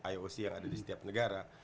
ioc yang ada di setiap negara